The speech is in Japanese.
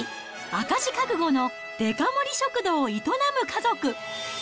赤字覚悟のデカ盛り食堂を営む家族。